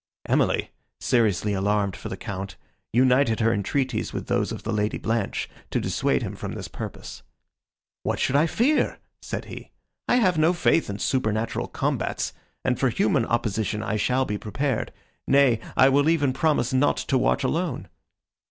Emily, seriously alarmed for the Count, united her entreaties with those of the Lady Blanche, to dissuade him from his purpose. "What should I fear?" said he. "I have no faith in supernatural combats, and for human opposition I shall be prepared; nay, I will even promise not to watch alone."